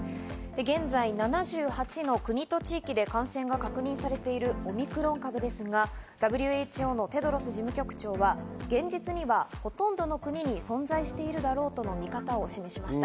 現在７８の国と地域で感染が確認されているオミクロン株ですが、ＷＨＯのテドロス事務局長は現実にはほとんどの国に存在しているだろうとの見方を示しました。